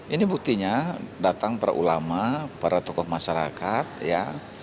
ini buktinya datang para ulama para tokoh masyarakat ya